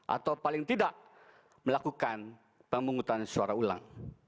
atau paling tidak melakukan pemungutan suara ulang